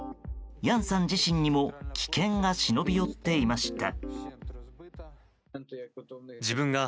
ヤンさん自身にも危険が忍び寄っていました。